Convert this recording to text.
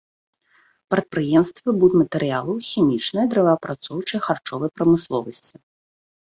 Прадпрыемствы будматэрыялаў, хімічнай, дрэваапрацоўчай, харчовай прамысловасці.